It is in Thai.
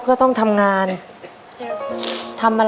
พ่อจะต้องเจ็บกว่าลูกหลายเท่านั้น